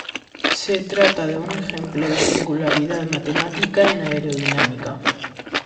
Se trata de un ejemplo de singularidad matemática en aerodinámica.